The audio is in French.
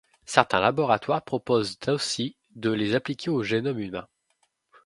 Certains laboratoires proposent d’aussi de les appliquer au génome humain.